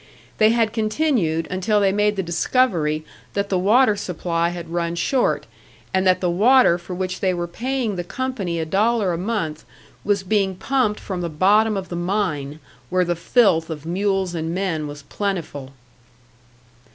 They had continued until they made the discovery that the water supply had run short, and that the water for which they were paying the company a dollar a month was being pumped from the bottom of the mine, where the filth of mules and men was plentiful!